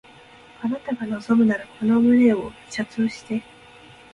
あなたが望むならこの胸を射通して